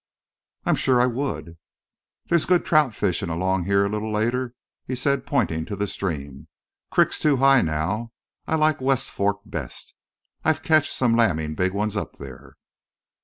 "I'm sure I would." "There's good trout fishin' along heah a little later," he said, pointing to the stream. "Crick's too high now. I like West Fork best. I've ketched some lammin' big ones up there."